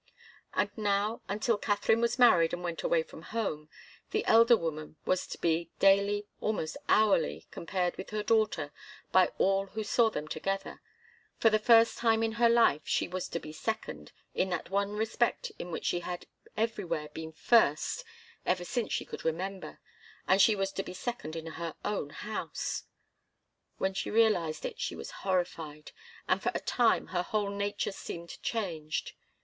And now, until Katharine was married and went away from home, the elder woman was to be daily, almost hourly, compared with her daughter by all who saw them together; for the first time in her life she was to be second in that one respect in which she had everywhere been first ever since she could remember, and she was to be second in her own house. When she realized it, she was horrified, and for a time her whole nature seemed changed.